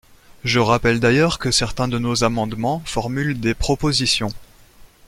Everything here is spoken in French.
Je rappelle d’ailleurs que certains de nos amendements formulent des propositions.